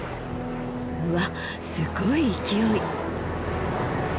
うわすごい勢い。